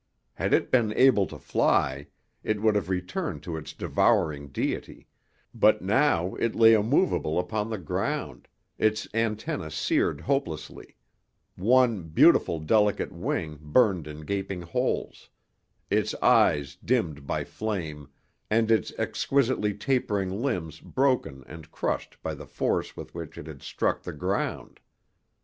Had it been able to fly, it would have returned to its devouring deity, but now it lay immovable upon the ground, its antennae seared hopelessly, one beautiful, delicate wing burned in gaping holes, its eyes dimmed by flame and its exquisitely tapering limbs broken and crushed by the force with which it had struck the ground.